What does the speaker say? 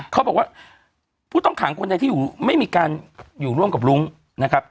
เขาบอกว่าผู้ต้องขังคนใดที่อยู่ไม่มีการอยู่ร่วมกับรุ้งนะครับ